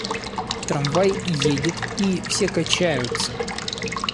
Трамвай едет и все качаются.